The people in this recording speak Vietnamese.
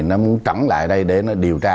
nó muốn trắng lại đây để nó điều tra